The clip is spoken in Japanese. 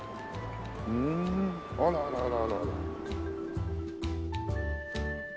ふんあらあらあらあら。